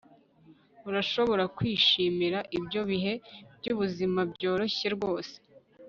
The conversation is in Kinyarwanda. urashobora kwishimira ibyo bihe byubuzima byoroshye rwose